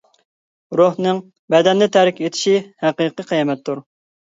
روھنىڭ بەدەننى تەرك ئېتىشى ھەقىقىي قىيامەتتۇر.